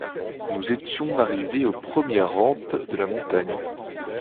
Nous étions arrivés aux premières rampes de la montagne.